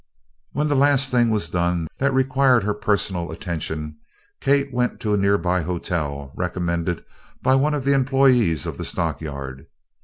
When the last thing was done that required her personal attention, Kate went to a nearby hotel recommended by one of the employees of the stockyard.